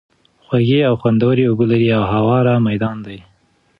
خوږې او خوندوَري اوبه لري، او هوار ميدان دی